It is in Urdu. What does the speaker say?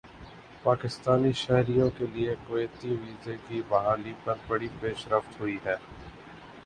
پاکستانی شہریوں کے لیے کویتی ویزے کی بحالی پر بڑی پیش رفت ہوئی ہےا